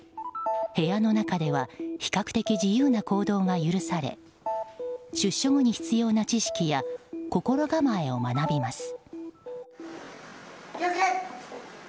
部屋の中では比較的自由な行動が許され出所後に必要な知識や心構えを学びます。